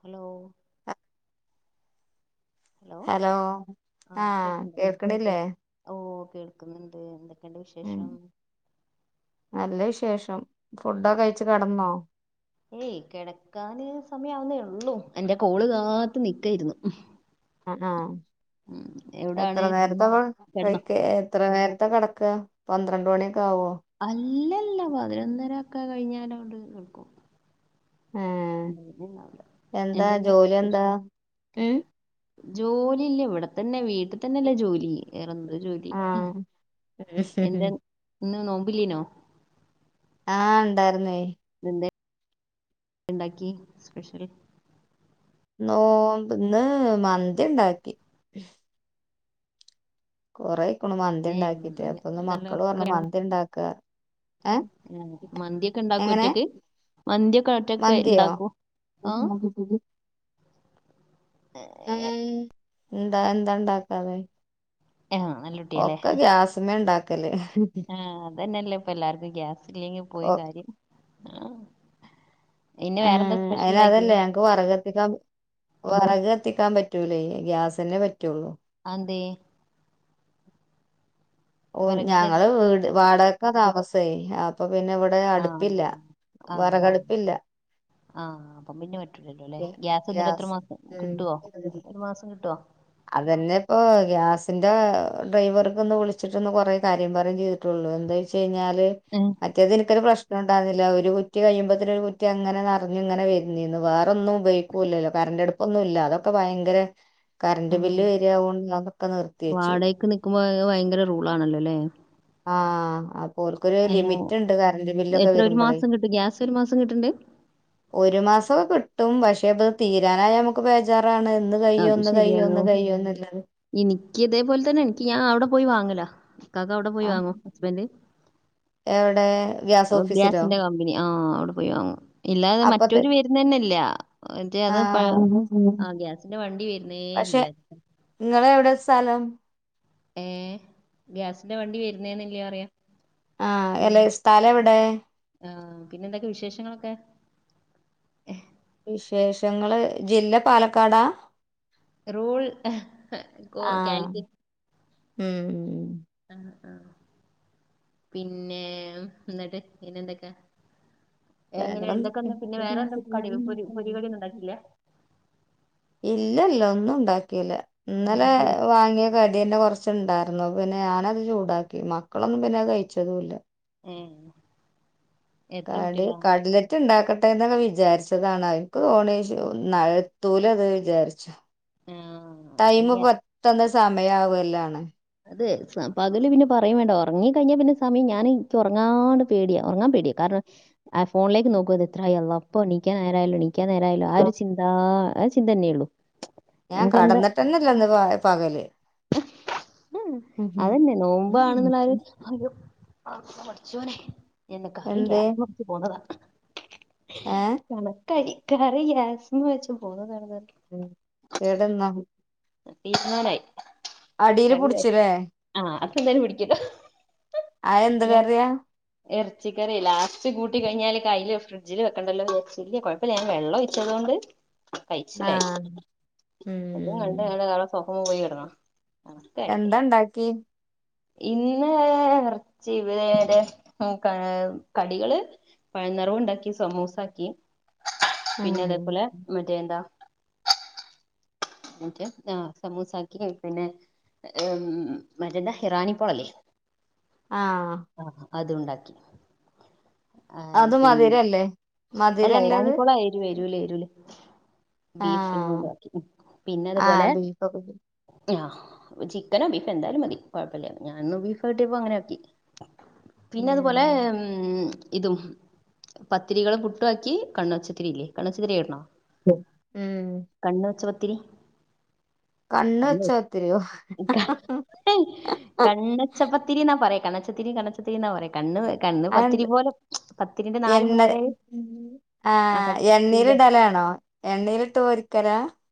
Hello hello ആഹ് ആഹ കേൾക്ക്ണ്ടോ കേൾക്ക്ണ്ല്ലേ ഓ കേൾക്കുന്നുണ്ട് എന്തൊക്കെണ്ട് വിശേഷം ശേഷം ഏയ് കിടക്കാന് സമയവുന്നേ ള്ളൂ ള്ളൂ എന്റെ കോള് കാത്ത് നിക്കായിരുന്നു ആ ആ ഉം എത്ര എവിടാണ് നേരത്തെ കിടന്നോ കഴ്ക്കാ എത്ര നേര ത്ത കടക്കാ പന്ത്രണ്ട് മണി അല്ലല്ല പതിനൊന്നര ഒക്കെ കഴിഞ്ഞാലാണ്ട് കടക്കും ഏ എന്താ എന്തെന്ന് ജോലിന്താ ഉം ജോലി ഇല്ല ഇവിടെത്തന്നെ വീ ഇവട തന്നല്ലേ ജോലി വെറെന്ത് ജോലി ഉം ആഹ് എന്ത ഇന്ന് നോമ്പ് ല്ല്യേന്യോ ആഹ ഇണ്ടായിര്ന്നേ എന്തെ ഇണ്ടാക്കി സ്പെഷ്യൽ നോമ്പ് ഇന്ന് മന്തി ഇണ്ടാക്കി കൊറേയിക്ക്ണ് മന്തി ഏ ഇണ്ടാക്കീട്ട് നല്ല അപ്പൊന്ന് മക്കള് പറഞ്ഞ് മന്തി ഇണ്ടാക്കാ ആ മന്തി ഒക്കെ ഇണ്ടാക്കൊ എങ്ങനെ ഒറ്റക്ക് മന്തിക്കെ ഒറ്റക്ക് ഇണ്ടാക്കു ന [unintelligible] ഉം എന്താ ഇണ്ടാക്കാതെ ആഹ് നല്ല ഒക്കെ ഗ്യാസ്മലാ ഇണ്ടാക്കല് ആഹ അതന്നെയല്ലേ ഇപ്പ എല്ലാർക്കും ഗ്യാസ്ല്ലങ്കിൽ പോയി ഒ കാര്യം ആ ഇന്ന് ആ വേറെന്താ സ്പെഷ്യൽ അയ്ന് ഉണ്ടാക്കിയെ അതല്ലാ ഞങ്ങക്ക് വെറക് കത്തിക്കാൻ വെറകത്തിക്കാൻ പറ്റ് പറ്റൂലെ ഗ്യാസന്നെ പറ്റൊള്ളൂ എന്തേ ഓ ഞങ്ങള് വീട് വാടകക്കാ താമസെ അപ്പ പിന്നെ ഇവടെ ആഹ് അടുപ്പില്ല വെറകടുപ്പില്ല ആഹ അപ്പം പിന്നെ പറ്റൂലല്ലല്ലേ ഗ്യാസ് എന്നിട്ട് എത്ര മാസം കിട്ടോ ഒരു മാസം കിട്ടോ അതന്നെ ഇപ്പോ ഗ്യാസിന്റെ ഡ്രൈവർക്ക്ന്ന് വിളിച്ചിട്ട്ന്ന് കൊറെ കാര്യം പറയും ചെയ്ത ട്ടൊള്ളു എന്താെയ്ച്ച യിഞ്ഞാല് ഏഹ് മറ്റേത് എനിക്ക് ഒരു പ്രശ് ണ്ടാവില്ല ഒരു കുറ്റി കഴിയുമ്പോത്തിന് ഒരു കുറ്റി അങ്ങനെ നെറഞ്ഞ്ങ്ങനെ വരന്നിനു വേറൊന്നും ഉപയോഗിക്കുല്ലല്ലോ കാര കരണ്ടടുപ്പൊന്നും ഇല്ല അതൊക്കെ ഭയങ്കര കറണ്ട് ആഹ് ബില്ല് വരാവു കൊണ്ട് അതൊക്കെ നിർത്തിവെച്ചു വാടകക്ക് ഭയങ്കര റൂളാണല്ലല്ലേ ആഹ അപ്പോൽക്കൊരു ലിമിറ്റ് ഇണ്ട് കറണ്ട് ബില്ല് ക്കെ എത്ര ഒരു വരുമ്പളെ മാസം കിട്ടും ഗ്യാസ് ഒരു മാസം കിട്ടണ്ട് ഒരു മാസം കിട്ടും പക്ഷേ ഇത് തീരാനായാൽ നമുക്ക് ബേജാറാ പ്പഴാണ് ഇന്ന് കയ്യോ ഇന്ന് കയ്യോ ഇന്ന് കയ്യോന്ന്ല്ലാണ് ഇനിക്ക് ഇതേപോൽതന്നെ ഇനിക്ക് ഞാൻ അവിടെ പോയി വാങ്ങല ഇക്കാക്ക അവിടെ പോയി വാങ്ങോ ആഹ് ഹസ്ബെൻ്റ് എവിടെ ഗ്യാസ് ഓഫീസിലോ ഓഗ്യാസിന്റെ കമ്പനി ആഹ് അവിടെ പോയി വാങ്ങും. ഇല്ലാതെ അപ്പത്തെ മറ്റവര് വരുന്നേ ണില്ലാ എൻ്റെ ആ അത് പ ആ ഗ്യാസിന്റെ വണ്ടി വെരുന്നേ ഇല്ല്യ സലം ഏ ഗ്യാസിന്റെ വണ്ടി വെരുന്നേന്നില്ല്യാറിയോ ആഹ് അല്ലെ പിന്നെ സ്ഥലം എവിടെ ആഹ് പിന്നെന്തൊക്കെ വിശേഷങ്ങളൊക്കെ എഹ് വിശേഷങ്ങള് ജില്ല പാലക്കാടാ റൂൾ കോ ക്യാലിക്കറ്റ് ഊം ആ പിന്നെഉം ന്നിട്ട് പിന്നെന്തെക്കാ എങ്ങനെയാ വേറെന്തൊക്കെ എന്തൊക്കെറീയാം പിന്നെ വേറെ എന്താ കടിയും പൊരിയും പൊരികടിയൊന്നൊണ്ടാക്കീലേ ഇല്ല ഇല്ല ഒന്നും ഉണ്ടാക്കീല്ല ഇന്നലെ മന്തി വെച്ച്- വാങ്ങിയ കടീൻ്റെ കൊറച് ചൊണ്ടാർന്നു പിന്നെ ഞാനത് ചൂടാക്കി മക്കളൊന്നും പിന്നെ കഴിച്ചവില്ല ഊം കടി കടലറ്റ് ഇണ്ടാക് ക്കട്ടെന്നൊക്കെ വിചാരിച്ചതാണ് അവര്ക്ക് കോണേജ് ന്നത്തൂലാതു വിചാരിച്ചു ആ ടൈമ് അതൊക്കെ പത്ത്ന്ത്സ്സമയാവല്ലാണ് ദേക് സ പകല് പിന്നെ പറയേം വേണ്ട ഒറങ്ങിക്കഴിഞ്ഞാപ്പിന്നെ സമേം ഞാന് ഇക്ക് ഒറങ്ങാണ്ട് പേടിയാ ഒറങ്ങാമ്പേടിയാ കാർ റ് ആഫോൺലേക്ക് നോക്കുവത് എത്രായിഅള്ളാ പ്പൊ ണീക്കാനേരായല്ലോ എണീ ക്കാൻ നേരായല്ലോ ആ ഒരു ചിന്താ ആ ചിന്ത തന്നെള്ളു ഞാൻ കെടന്നിട്ടന്നെല്ലന്ന് പ പകല് ഹും അതെന്നെ നോമ്പ് ആണെന്നുള്ള ആഒരു ഹയ്യോ ആ ൻ്റെപടച്ചോനെ എൻ്റെകറി എന്തേ ഗ്യാസ്സ്ല് വെച്ച് പോന്നതാ ഏ കണക്കായി കറി ഗ്യാസ്മേ വെച്ച് പോന്നതാണെന്ന് ഉം കേടെന്നാ തീര്മാനായി അടീല് പുടിച്ചിലേ പിന്നേന്ന് പിടിക്കട്ട ആയെന്തൊരുകറിയാ എറച്ചിക്കറി ലാസ്റ്റ് കൂട്ടി കഴിഞ്ഞാല് കയ്ല് ഫ്രഡ്ജില് വെക്കണ്ടല്ലോജാരിച്ച് ഇല്ല്യ കൊഴപ്പില്ല്യ ഞാൻ വെള്ളവൊഴിച്ചതുകൊണ്ട് കൊണ്ട് പൈസിലായി ആഹ് അതും കൺ ഉം ഞങ്ങൾടെ [unintelligible] സൊഖോം പോയി ഇടണം ആണോ സ്ഥയായി എന്താ ഇണ്ടാക്കി ഇന്ന് കൊർച്ച് ഇവിടെരെ ഉം ക കടികള് പഴംനെറവുണ്ടാക്കി, സമൂസാക്കി പിന്നെ ഉം അതേപോലെ മറ്റേ എന്താ മറ്റെ ആഹ് സമൂസാക്കി ഉം പിന്നെ ഉംഉം മറ്റെന്താ ഇറാനിപ്പോളല്ലേ ആ അതുണ്ടാക്കി ആ അത് പിൻ മധുരല്ലേ അല്ലാ മധുരല്ലത് ഇറാനിപ്പോള എരൂ എരൂലേ എരൂലേ ആഹ് ബീഫിനുണ്ടാക്കി ആഹ് പിന്നതുപോലെ ബീഫൊക്കെ ഞാഹ് ചിക്കനോ ബീഫൊ എന്തായാലും മതി കൊഴപ്പില്ല്യ ഞാൻന്ന് ബീഫ് കിട്ടീപ്പൊ അങ്ങനെ ആക്കി പിന്നതുപോലെ ഉം ഇതും പത്തിരികളും പുട്ടുവാക്കി കണ്ണോച്ചിത്തിരി ഇല്ലേ കണ്ണോച്ചിത്തിരി കേട്ട്ക്ണോ ഉം ത്തിരി കണ്ണ് വെച്ചാ ഒത്തിരിയോ ക കണ്ണച്ചപ്പത്തിരി എന്നാ പറയ് കണ്ണച്ചത്തിരി കണച്ചത്തിരിന്നാ പറയ് കണ്ണ് കണ്ണ് പത്തിരി അതെന്ത് പോലെ പത്തിരീൻ്റെ എണ്ണ ആ എണ്ണൽ കട്ടിയില് ഇടലാണോ എണ്ണലിട്ട് പൊരിക്കല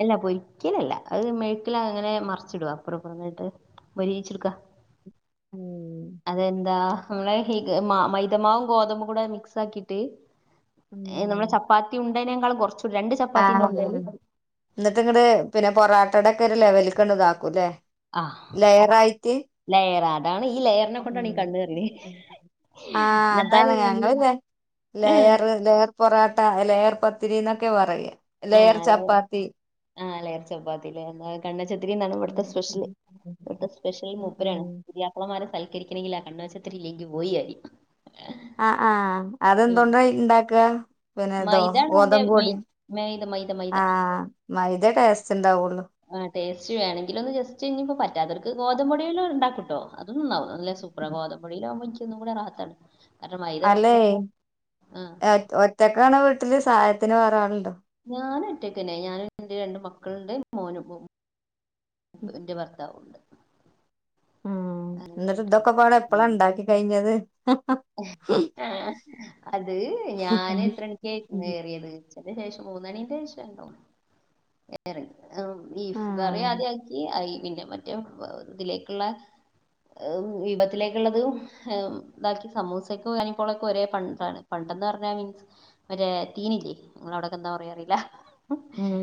അല്ല പൊരിക്കലല്ല അത് മെഴക്കില അങ്ങനെ മറിച്ചിടുവാ അപ്പറ പററന്നിട്ട് മൊരിയിചെടക്ക ഉം അതെന്താ നമ്മെ മൈതമാവും ഗോതമ്പും കൂടെ മിക്സ് ആക്കിട്ട് ഉം നമ്മുടെ ചപ്പാത്തി ഉണ്ടേതിനേക്കാളും കുറച്ചൂട രണ്ട് ആഹ് ചപ്പാത്തിന്റെറെ ഉണ്ടല് എന്നിട്ട് ഇങ്ങടെ പിന്നെ പൊറോട്ടേയുടെ ഒക്കെ ഒരു ലെവലക്കണ് ഇതാക്കൂല്ലേ ആ ലയറ ആയിട്ട് ലെയർ അതാണ് ഈ ലെയറിനെ കൊണ്ടാണ് ഈ കണ്ണ് കറീണെ. ആ നാല് അതാണ് മൂന്ന് ഞങ്ങളല്ലെ ആ ലെയർ ലെയർ പൊറാട്ട ലയർ ചപ്പത്തിരി എന്നൊക്കെ പറയ ആ ലയർ ലെയർ ചപ്പാത്തി ആ ലേയർ ചപ്പാത്തില്ലേ എന്ന കണ്ണ ന്നാണ് ഇവിടുത്തെ സ്പെഷ്യൽ ഇവിത്തെ സ്പെഷ്യൽ മൂപ്പരാണ് പുത്യാപ്ല മാരെ ക്കണെങ്കിൽ ആ കണ്വച്ചത്രരി ഇല്ലെങ്കിൽ പോയിയികാര്യം ആ ആഹ അതെന്തണ്ട ഇണ്ടാക്കുക പിന്നെതോ മൈദാണ് അതിന്റെ മെയിൻ ഗഓതമ്പൊഡിയോ മൈദ മൈദ മൈദ ആ മൈതേ ടേസ്റ്റ് ഉണ്ടാവ ആ ടേസ്റ്റ് വേണെങ്കിൽ ഒന്ന് ജസ്റ്റ് ഇനിപ്പോപ്പ പറ്റാതോർക്ക് ഗോതമ്പൊടിയെല്ലാം ഉണ്ടാക്കൂട്ടോ നല്ല സൂപ്രകോദം പൊടിയിലകുമോ ഇൻക്ക് കൂടെ റാഹത്താണ് അല്ലെ ഒറ്റക്കാണ് വീട്ടില് സഹായത്തിന് വേറളുണ്ടോ ഞാന ഒറ്റക്കനെ ഞൻ എറെ രണ്ടു മക്കളുണ്ട് മോന പോ ന്റെ ഭർത്താവുണ്ട് ഉം എന്നിട്ട് ആയിട്ട് ദൊക്കപാടം എപ്പഴാ ഉണ്ടാക്കി കഴിഞ്ഞത് അത് ഞാന് എത്രണിക്കായിരുന്നു കറിയത് അന് ശേഷം മൂന്നണിന്റെ ശേഷം ഉണ്ടോ ഏറി ബീഫുകറി ആഹ് ആദ്യ ആക്കി പിന്നെ മറ്റേ ഇതിലേക്കുള്ള വിപത്തിലേക്കുള്ളള്ളതും ഇതാക്കി സമൂസക്കോ അണപ്പോളൊക്കെ ഒരേ പണ്ടമാണ് പണ്ടന്ന് പറഞ്ഞാൽ മീൻസ് അവര് തീനില്ലേ നിങ്ങ അവിടക്കെന്താ പറയാറിയില്ല ഉം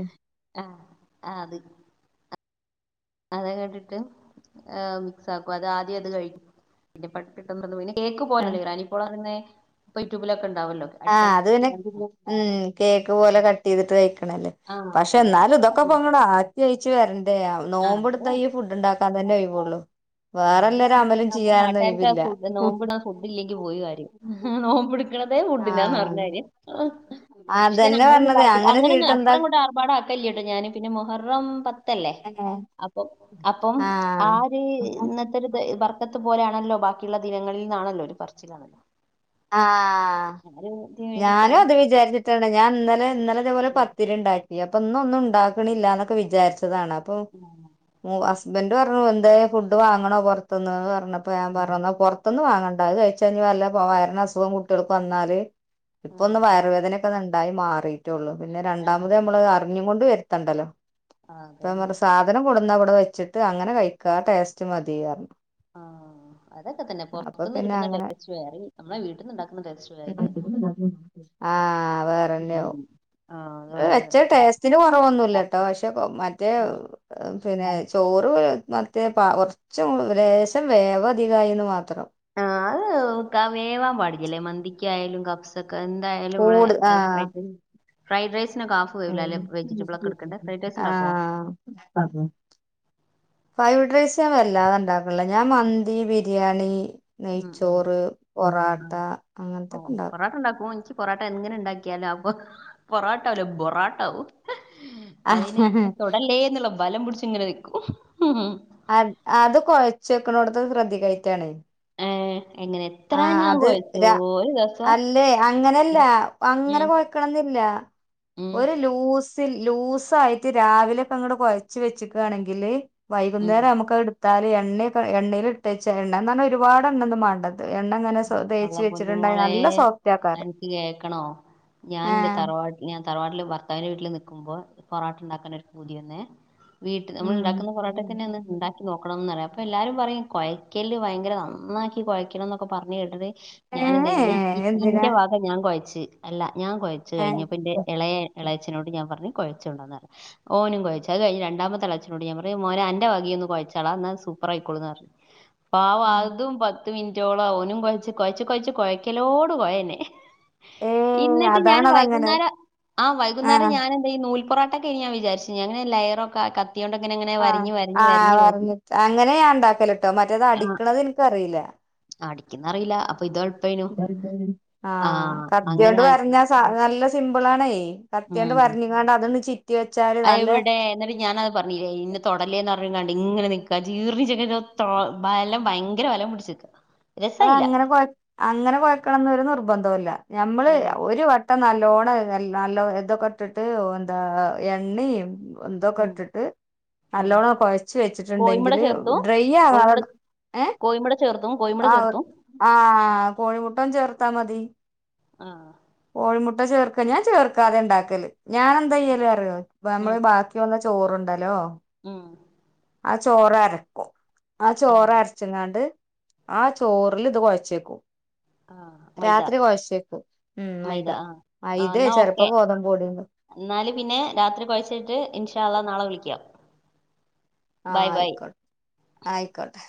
ആ ആ അത് അത കേട്ടിട്ട് മിക്സ് ആക്കും അത് ആദ്യം അത് കഴിക്കും പിന്നെ പട്ടത്തിട്ടന്നനെ കേക്ക് ആഹ് പോലല്ലോ ഇറാനീ പോളഅറീനെ ഇപ്പോൾ യട്യൂബിലൊക്കെണ്ട് ആ അത് പിന്നെ ഉ കേക്ക് പോലെ കട്ട് ചെയ്തിട്ട് വയ്ക്കണല്ലേ ആഹ് പക്ഷെ എന്നാലും ഇതൊക്കെ കഴിക്കുന്നത് അക്കപ്പ അങ്ങ ആറ്റി അയച്ചു വരണ്ടേ ആഹ് നോമ്പടുത്തയ്യ ഫുഡ് ഉണ്ടാക്കാൻ തന്നെ ഒഴവോുള്ളു അത് നമ്മ നമ്മുടെ ഒഴിവില്ല നാട്ടുകാർക്ക് ഫ് നോമ്പിട ഫുഡ്ല്ലെങ്കി പോയി കാര്യം നോമ്പിടുക്ക അതേ ഫുഡിനാന്ന് ആഹ് പറഞ്ഞ കാര്യം പക്ഷെ ഞാ അതന്നെ പറഞ്ഞത് അങ്ങനൊന്നുംാക്ക അങ്ങനെ അങ്ങനൊന്നും ചെയ്തിട്ട് അത്ര എന്താ ക കൊണ്ട് ആർപാടാക്കലേട്ടോ ഞാന് പിന്നെ മുഹറം ല്ലേ അപ്പ അപ്പം ആ ആഹ് ഒരു ഇന്നത്തെ ബർക്കത്ത് പോലെയാണല്ലോ ബാക്കിയുള്ള ദിനങ്ങളിൽ നിന്നാണല്ലോ ഒരു പറർച്ചിലാണല്ലോ ആ ഇതിന് ഞാനും വേണ്ടിയിട്ടാണ് അത് വിചാരിച്ചിട്ടാണ് ഞാൻ ഇന്നലെ ഇന്നലെ ഇതുപോലെ പത്തിരി ഉണ്ടാക്കിയപ്പ പ്പന്നെന്നും ണ്ടാക്ക്ണില്ല ന്നൊക്കെ വിചാര്ച്ചതാണ് അപ്പം മു അസ് ബന്റ് പർഞ്ഞു എന്തായെ ഫുഡ് വാങ്ങണോ പൊർത്ത്ന്ന്ന് പർഞ്ഞപ്പ ഞാൻ പറഞ്ഞു നാ പൊർ ഒന്ന് വാങ്ങണ്ടാ അത്‌ കഴിച്ചഴഞ്ഞ വല്ല വയർന് അസുഖം കുട്ടിൾക്ക് വന്നാല് ഇപ്പൊന്ന് ആഹ് വയറ് വേദനൊക്കെതാ ണ്ടായി മാറിട്ടൊള്ളൂ പിന്നെ ആഹ് രണ്ടാമത് അമ്മള് അറിഞ്കൊണ്ട് വര് എത്തണ്ടല്ലോ അതന്നെ പ്പംസാദനം കൊണ്ട് ന്ന വ്ടെ വെച്ച്ട്ട് അങ്ങന കഴിക്കാ ടേസ്റ്റ് മതീയർഞ്ഞു. ആ അതൊക്കെ തന്നെ പൊർത്ത്ന്ന് കിട്ട്ന്ന ടേസ് വെറ ആഹ വേറെന്നെയോ ഉം ആഹ് അത് വളരെ വെചെ കുറയ്ക്കും. ടേസ്റ്റിന് കൊറവൊന്നുല്ലട്ടോ ക്ഷെകൊ മറ്റേ പിന്നെ ചോറ് മറ്റ പ കൊർച്ച് ലേശം വേവധികായിന്ന് മാത്രം. ആ അഹ് വേവാ പാടില്ലല്ലേ മന്തിക്കയാലും കബ്സ കെന്തായാലും മ്മളെ കൂട് അ പക്ക് ആഹ് ഫ്രൈഡ്റസിനൊക്കെ ഹാഫ് ഉം വേവിലാല്ലെ വെജിറ്റബിളൊക്കെ എട്ക്കണ്ടേ ഫ്രൈഡ് റൈസ് ഇണ്ടാക്കോ. ഫൈവ് ഡ്രൈസ് ഞാൻ വല്ലാതെ ണ്ടാക്ക്ല്ല ഞാൻ മന്തി ബിരിയാണി നെയ്ച്ചോറ് ആ പൊറാട്ട അങ്ങൻത്തൊക്കെ ണ്ടാക്കും. പൊറാട്ട എങ്ങന ണ്ടാക്കിയാലാപ്പൊ പൊറോട്ടാവൂല്ല പൊറാട്ടാവും. അയിന് ഇന്ന തൊടല്ലേന്നുള്ള ബലം പു ട്ച്ച്ങ്ങനെ നിക്കും ഹും അദ് അത് കൊഴ്ച്ചക്ക്ണോടത്ത് ശ്രദ്ധിക്കായിട്ടാണെ. ഏ എങ്ങനെ എത്ര ആ ഞാൻ അത് കുഴച്ചു രാ ഒരു ദിവസം അല്ലേ അങ്ങനെയല്ല അങ്ങനെ ഉം കൊഴക്കണംന്നിൻ ല്ലാ ഉം ഒരു ലൂസ് ത്തിൽ ലൂസായിട്ട് രാവിലെക്കങ്ങ്ട് കൊയച്ച് വെച്ച്ക്ക്ആണെങ്കില് ഉം വൈകുന്നേരം അമുക്കതെടുത് ത്താല് എണ്ണയൊക്കെ എണ്ണയിലിട്ടെച്ചാ എണ്ണാന്നറഞ്ഞാ ഒരുപാട് എണ്ണൊന്നും മാണ്ട എണ്ണങ്ങനെ സോ അള്ള തേച്ച് വെച്ചിട്ട്ണ്ടായ പൊന്നുമോളെ നല്ല സോഫ്റ്റാക്കാറ് അനക്ക് കേക്കണോ ഞാൻ ന്റെ തറവാട്ട്ല് ഞാ തറവാട്ടില് ഭർത്താവിന്റെ വീട്ടില് നിക്കുമ്പോ പൊറാട്ട ഇണ്ടാക്കാനൊരു പൂതി വന്നേ വീട്ടി നമ്മള് ഉം ണ്ടാക്ക്ന്ന പൊറോട്ടെകെനെന്ന് ണ്ടാക്കി നോക്കണംന്നറയാ അപ്പൊ എല്ലാരും പറയും കൊയക്കെല് വയങ്കര നന്നാക്കി കൊയക്കണംന്നൊക്കെ പറഞ്ഞ് കേട്ടിട്ട് ഏഹ് ഞാനെന്തെയ്തിഞ്ഞാ ഇ എന്തിനാ ഇന്റെ വഗ ഞാൻ കൊഴച്ച് ജ് അല്ല ഞാൻ കൊയച്ച് ഏഹ് കഴിഞ്ഞപ്പന്റെ എളയ എളയച്ചനോട് ഞാൻ പറഞ്ഞ് കൊഴച്ചോണ്ടാന്നറഞ്ഞ് ഓനും കൊഴച്ച് അത് കഴിഞ്ഞ് രണ്ടാമത്തെ എളച്ചനോട് ഞാൻ പറഞ്ഞ് മോനേ അന്റെ വകീയൊന്ന് കൊഴച്ചാള ന്നാസുഗ പ്പറായിക്കോളൂന്നറഞ്ഞ് പാവ അതും പത്ത് മിൻറ്റോളം ഓനും കൊയച്ച് കൊയച്ച് കൊയച്ച് കൊയയ്ക്കലോട് കൊയന്നേ ഏഹ് ഇന്നിട്ട് ഞാന് അതാണതങ്ങനെ വൈകുന്നേര ആ വൈകുന്നേരം ആഹ് ഞാനെന്തെയ്യും നൂൽപ് പൊറാട്ടൊക്കെയ്നി ഞാൻ വിചാരിച്ച് ങ്ങനെ ലെയറൊക്കാക്കാ ആ ആ വർഞ്ഞിട്ട് അങ്ങനേ ഞാൻ ഇണ്ടാക്കല്ട്ടോ മറ്റേത് അടിക്ക്ണത് ഇൻക്കറിയില്ല. അടിക്ക്ന്നറിയില്ലാ അപ് ആ അങ്ങനെ കത്തിയോണ്ട് ആ- വരഞ്ഞാ സ നല്ല സിമ്പിളാണേയ് കത്തിയണ്ട് വരഞ്ഞ്ങ്ങാണ്ട് അതൊന്ന് ചി അയെവിടേ ന്ട്ട് ഞാനത് പറഞ്ഞീലേ ഇന്ന തൊടലേന്നർ പർഞ്ങ്ങാണ്ടിങ്ങനെ നിക്ക ജീർണി [unintelligible] തൊ ബലം ഭയങ്കര വലം പിട്ച്ച്ക്കാ അതങ്ങനെ കൊയ അങ്ങനെ കൊയക്കണംന്നൊരു നിർബന്ധോല്ല ഞമ്മള് ഉം, ഒരു വട്ട് ട്ടം നല്ലോണം എൽ നല്ല ഇതൊക്കെ ഇട്ടിട്ട് ഓ എന്താ എണ്ണേം ഉം, ഒന്തൊക്കട്ടിട്ട് ഉം. നല്ലോണം കൊഴച്ച് കോഴിമുട വെച്ചിട്ട്ണ്ടെങ്കില് ചേർത്തു ഡ്രൈ ആകാതെ കോഴിമുട ഏഹ് കോഴിമുട ചേർത്തും കോഴിമുട ആ ഓ ചേർത്തും ആഹ് കോഴിമുട്ടം ചേർത്താ മതി ആഹ് കോഴിമുട്ട ചേർക്ക ഞാൻ ചേർക്കാതെയാ ഇണ്ടാക്കല് ഞാൻ എന്താ എയ്യല് അറിയോ ഉം ഇപ്പമ്മള് ബാക്കി വന്ന ച ചോറ്ണ്ടലോ ആഹ് ആ ചോറരക്കും ആ ആഹ് ചോറരച്ച്ങ്ങാണ്ട് ആ ചോറിലിത് കുഴച്ചേക്കൂ ആഹ് മൈദ രാത്രി കുഴച്ചേക്കും ഉം മൈദ ആഹ് ആഹ് മൈദേ എന്നാ ചെലപ്പ ഓക്കെ ഗോതമ്പൊടീങ്കൊ എന്നാല് പിന്നെ രാത്രി കൊഴച്ചിട്ട് ഇൻശാ അല്ലാഹ് നാളെ വിളിക്ക്യാം ആയിക്കോട്ട് ആയിക്കോട്ടെ